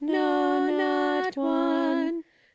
No, not one !